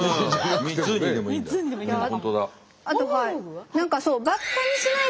あとはい。